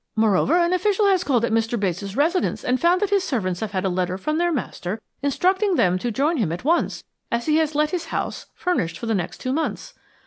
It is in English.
Moreover, an official has called at Mr. Bates' residence and found that his servants have had a letter from their master instructing them to join him at once, as he has let his house furnished for the next two months.